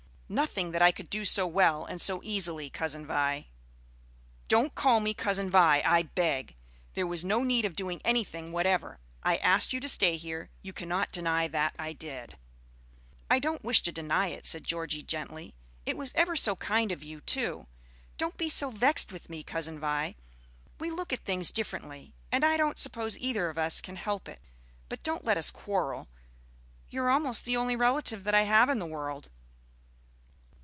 "Nothing that I could do so well and so easily, Cousin Vi." "Don't call me Cousin Vi, I beg! There was no need of doing anything whatever. I asked you to stay here, you cannot deny that I did." "I don't wish to deny it," said Georgie, gently. "It was ever so kind of you, too. Don't be so vexed with me, Cousin Vi. We look at things differently, and I don't suppose either of us can help it; but don't let us quarrel. You're almost the only relative that I have in the world."